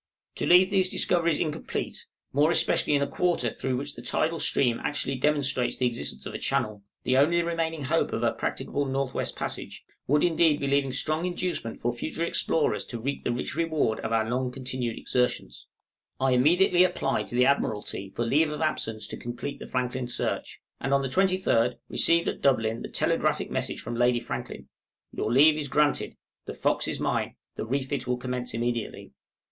To leave these discoveries incomplete, more especially in a quarter through which the tidal stream actually demonstrates the existence of a channel the only remaining hope of a practicable north west passage would indeed be leaving strong inducement for future explorers to reap the rich reward of our long continued exertions. {PURCHASE OF THE 'FOX.'} I immediately applied to the Admiralty for leave of absence to complete the Franklin search; and on the 23d received at Dublin the telegraphic message from Lady Franklin: "Your leave is granted; the 'Fox' is mine; the refit will commence immediately."